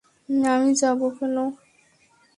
আমি যাবো কেন?